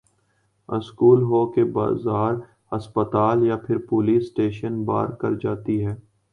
school ہو کہ بازار ہسپتال یا پھر پولیس اسٹیشن پار کر جاتے ہیں